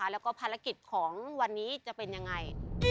แล้วก็ภารกิจของวันนี้จะเป็นยังไง